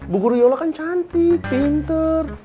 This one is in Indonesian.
bu guru yola kan cantik pinter